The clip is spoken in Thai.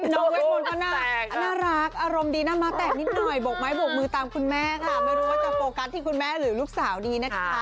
เวทมนต์ก็น่ารักอารมณ์ดีหน้าม้าแตกนิดหน่อยบกไม้บกมือตามคุณแม่ค่ะไม่รู้ว่าจะโฟกัสที่คุณแม่หรือลูกสาวดีนะคะ